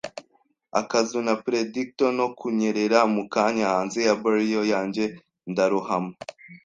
akazu na predictle, no kunyerera mukanya hanze ya barriel yanjye, ndarohama